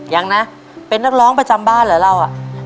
ยังนะเป็นนักร้องประจำบ้านเหรอเรา